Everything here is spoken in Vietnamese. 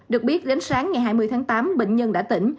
được biết đến sáng ngày hai mươi tháng tám bệnh nhân đã tỉnh